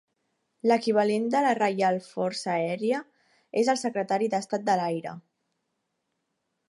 L'equivalent de la Reial Força Aèria és el Secretari d'Estat de l'aire.